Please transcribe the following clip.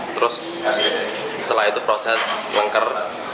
terus setelah itu proses lenker